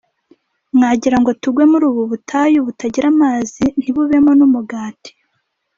mwagira ngo tugwe muri ubu butayu butagira amazi ntibubemo n’umugati.